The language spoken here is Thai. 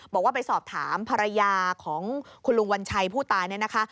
บอกว่าไปสอบถามภรรยาของคุณลุงวัญชัยผู้ตายเนี่ยนะคะ